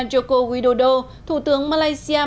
joko widodo thủ tướng malaysia